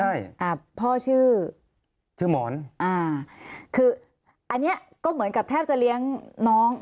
ใช่อ่าพ่อชื่อชื่อหมอนอ่าคืออันเนี้ยก็เหมือนกับแทบจะเลี้ยงน้อง